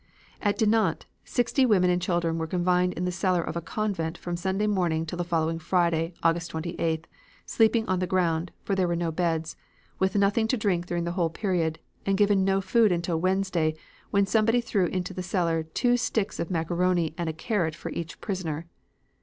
"At Dinant sixty women and children were confined in the cellar of a convent from Sunday morning till the following Friday, August 28th, sleeping on the ground, for there were no beds, with nothing to drink during the whole period, and given no food until Wednesday, when somebody threw into the cellar two sticks of macaroni and a carrot for each prisoner.